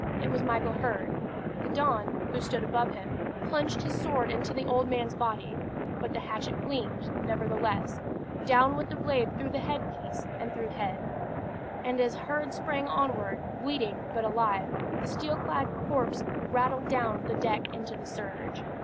It was Michael Heard. The Don, who stood above him, plunged his sword into the old man's body: but the hatchet gleamed, nevertheless: down went the blade through headpiece and through head; and as Heard sprang onward, bleeding, but alive, the steel clad corpse rattled down the deck into the surge.